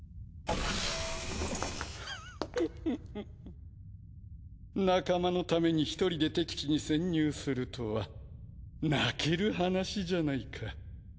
フフフ仲間のために一人で敵地に潜入するとは泣ける話じゃないか。